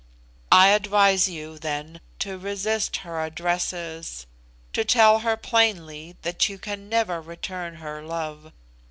I advise you, then, to resist her addresses; to tell her plainly that you can never return her love.